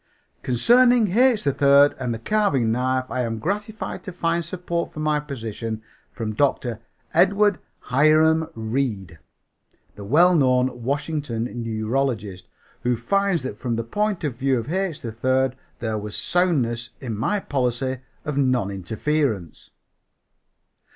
Concerning H. 3rd and the carving knife I am gratified to find support for my position from Dr. Edward Hiram Reede, the well known Washington neurologist, who finds that from the point of view of H. 3rd there was soundness in my policy of non interference.